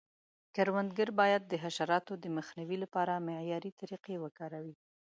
کروندګر باید د حشراتو د مخنیوي لپاره معیاري طریقې وکاروي.